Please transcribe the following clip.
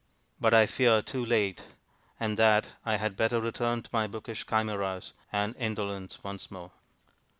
But I fear too late, and that I had better return to my bookish chimeras and indolence once more!